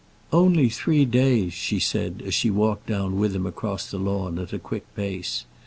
"Only three days," she said, as she walked down with him across the lawn at a quick pace.